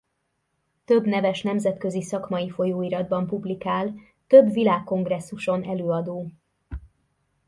Több neves nemzetközi szakmai folyóiratban publikál Több világkongresszuson előadó.